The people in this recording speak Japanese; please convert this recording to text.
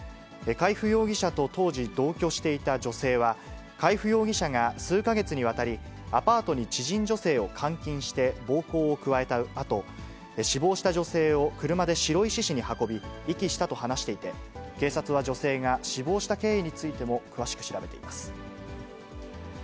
海部容疑者と当時同居していた女性は、海部容疑者が数か月にわたり、アパートに知人女性を監禁して、暴行を加えたあと、死亡した女性を車で白石市に運び、遺棄したと話していて、警察は女性が死亡した経緯についても詳しく調べています。